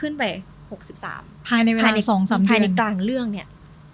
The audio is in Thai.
ในกลางเรื่องเนี่ย๖๑๓